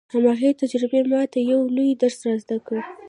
هماغې تجربې ما ته يو لوی درس را زده کړ.